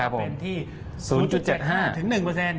เป็นที่๐๗๕๐๗๕ถึง๑